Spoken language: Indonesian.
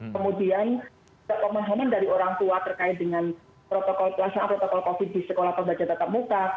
kemudian pemahaman dari orang tua terkait dengan pelaksanaan protokol covid di sekolah pembelajaran tetap muka